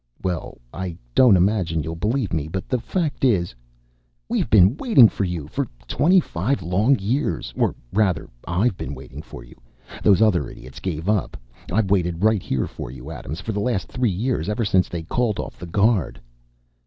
"Well, I don't imagine you'll believe me, but the fact is...." "We've been waiting for you. For twenty five long years! Or, rather, I've been waiting for you. Those other idiots gave up. I've waited right here for you, Adams, for the last three years, ever since they called off the guard."